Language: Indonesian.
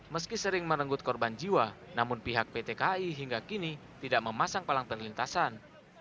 meski sering merenggut korban jiwa namun pihak pt kai hingga kini tidak memasang palangtan lintasan